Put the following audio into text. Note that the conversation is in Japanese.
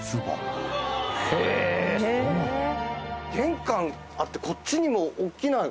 玄関あってこっちにも。